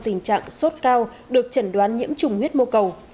tình trạng sốt cao được chẩn đoán nhiễm trùng huyết mô cầu